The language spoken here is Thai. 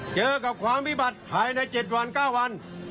เจอกับความวิบัติภายใน๗วัน๙วัน